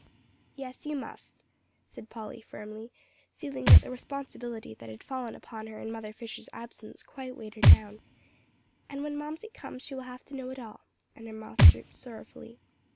"Yes, you must," said Polly, firmly, feeling that the responsibility that had fallen upon her in Mother Fisher's absence quite weighed her down, "and when Mamsie comes, she will have to know it all," and her mouth drooped sorrowfully.